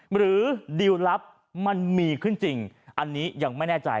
หรือดิวลลับมันมีขึ้นจริงอันนี้ยังไม่แน่ใจ